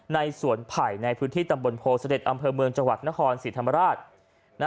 ในสวนไผ่ในพื้นที่ตำบลโพเสด็จอำเภอเมืองจังหวัดนครศรีธรรมราช